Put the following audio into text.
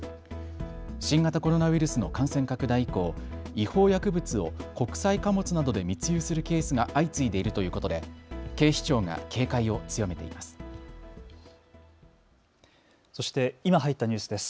新型コロナウイルスの感染拡大以降、違法薬物を国際貨物などで密輸するケースが相次いでいるということで警視庁が警戒を強めています。